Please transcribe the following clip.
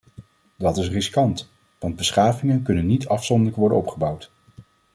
Dat is riskant, want beschavingen kunnen niet afzonderlijk worden opgebouwd.